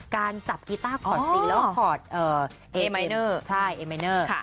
การจับกีต้าคอร์ดสีแล้วคอร์ดเอมเนอร์ใช่เอมัยเนอร์